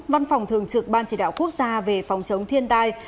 văn phòng thường trực ban chỉ đạo quốc gia về phòng chống thiên tai